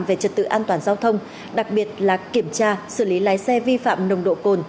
về trật tự an toàn giao thông đặc biệt là kiểm tra xử lý lái xe vi phạm nồng độ cồn